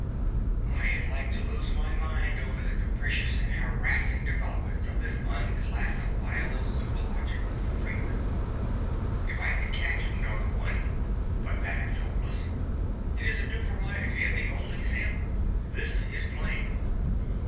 I am like to lose my mind over the capricious and harassing developments of this unclassifiable zoological freak. If I could catch another one—but that is hopeless; it is a new variety, and the only sample; this is plain.